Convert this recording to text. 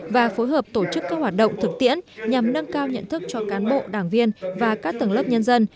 và phối hợp tổ chức các hoạt động thực tiễn nhằm nâng cao nhận thức cho cán bộ đảng viên và các tầng lớp nhân dân